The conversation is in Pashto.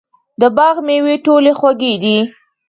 د باغ مېوې ټولې خوږې دي.